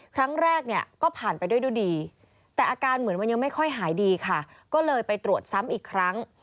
ครั้งแรกเนี่ยก็ผ่านไปด้วยดีแต่อาการเหมือนมันยังไม่ค่อยหายดีค่ะก็เลยไปตรวจซ้ำอีกครั้ง